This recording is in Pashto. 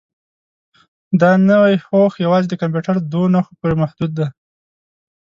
دا نوي هوښ یوازې د کمپیوټر دوو نښو پورې محدود دی.